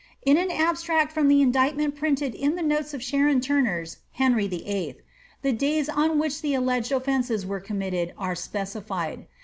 '' In an abstract from the indictment printed in the noies of Sharon Turner's Henry Vlll., the days on which the alleged ofiencea were committed are specified.